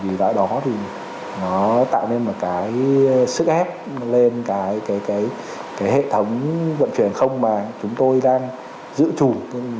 vì tại đó thì nó tạo nên một cái sức ép lên cái hệ thống vận chuyển không mà chúng tôi đang giữ chủ